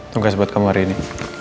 tugas buat kamu hari ini